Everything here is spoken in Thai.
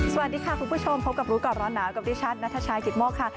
สวัสดีค่ะคุณผู้ชมพบกับรู้ก่อนร้อนหนาวกับดิฉันนัทชายกิตโมกค่ะ